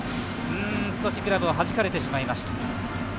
少しグラブをはじかれてしまいました。